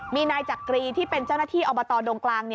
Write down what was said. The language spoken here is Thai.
มีนายจักรีที่เป็นเจ้าหน้าที่อบตดงกลาง